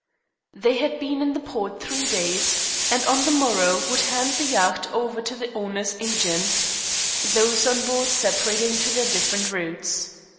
They had been in the port three days, and on the morrow would hand the yacht over to the owner's agents, those on board separating on their different routes.